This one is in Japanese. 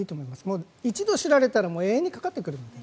もう一度知られたら永遠にかかってくるので。